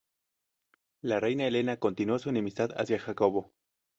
La reina Helena continuó su enemistad hacia Jacobo.